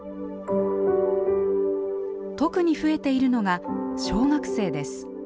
特に増えているのが小学生です。